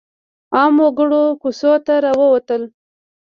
عامو وګړو کوڅو ته راووتل.